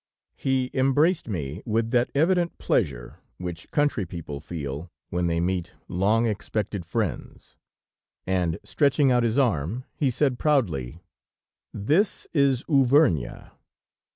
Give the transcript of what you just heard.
He embraced me with that evident pleasure which country people feel when they meet long expected friends, and stretching out his arm, he said proudly: "This is Auvergne!"